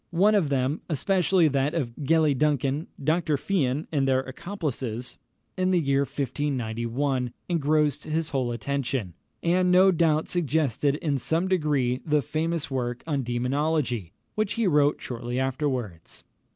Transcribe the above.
One of them especially that of Gellie Duncan, Dr. Fian, and their accomplices, in the year 1591 engrossed his whole attention, and no doubt suggested in some degree the famous work on Demonology, which he wrote shortly afterwards.